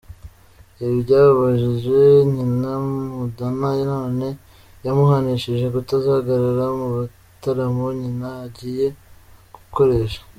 Ibi byababaje nyina, Madonna, none yamuhanishije kutazagaragara mu bitaramo, nyina agiye gukoresha.